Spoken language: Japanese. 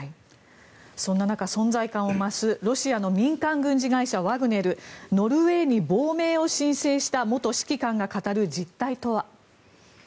そんな中、存在感を増すロシアの民間軍事会社ワグネルノルウェーに亡命を申請した元指揮官が語る実態とは。